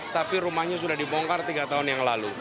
tapi rumahnya sudah dibongkar tiga tahun yang lalu